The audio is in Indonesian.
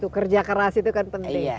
kerja keras itu kan penting